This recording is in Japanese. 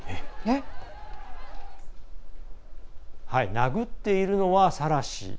殴っているのは、サラ氏。